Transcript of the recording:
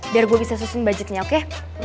biar gue bisa susun budgetnya oke